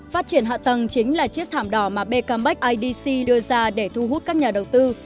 phát triển hạ tầng chính là chiếc thảm đỏ mà becamec idc đưa ra để thu hút các nhà đầu tư